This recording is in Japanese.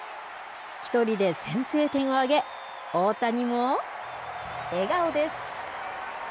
１人で先制点を挙げ、大谷も笑顔です。